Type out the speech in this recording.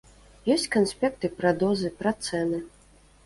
Ёсць канспекты пра дозы, пра цэны.